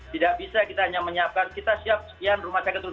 tidak bisa kita hanya menyiapkan kita siap sekian rumah sakit